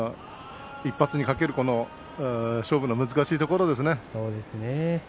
１発に懸ける勝負の難しいところですね。